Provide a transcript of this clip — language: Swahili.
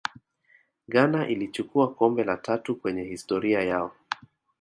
ghana ilichukua kombe la tatu kwenye historia yao